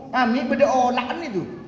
kami berdoa doaan itu